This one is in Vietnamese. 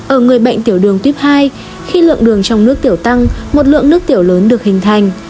ở người bệnh tiểu đường tuyếp hai khi lượng đường trong nước tiểu tăng một lượng nước tiểu lớn được hình thành